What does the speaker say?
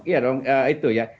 iya dong itu ya